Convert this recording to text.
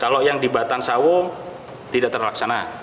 kalau yang di batan sawo tidak terlaksana